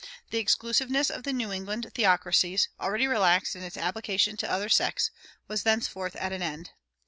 The exclusiveness of the New England theocracies, already relaxed in its application to other sects, was thenceforth at an end.